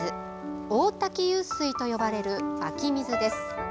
大滝湧水と呼ばれる湧き水です。